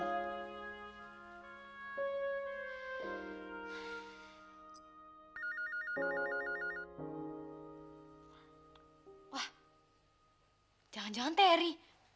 wah jangan jangan terry